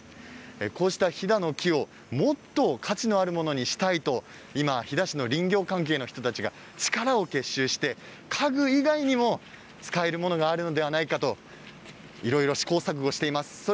こうした飛騨の木をもっと価値のあるものにしたいと飛騨市の林業、家具の人たちが力を結集して家具以外にも使えるものがあるのではないかといろいろ試行錯誤しています。